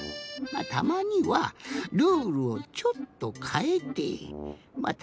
たまにはルールをちょっとかえてまあ